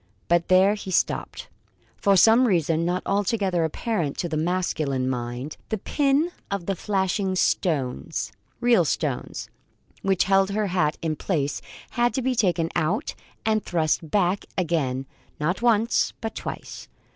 But there he stopped. For some reason, not altogether apparent to the masculine mind, the pin of flashing stones (real stones) which held her hat in place had to be taken out and thrust back again, not once, but twice.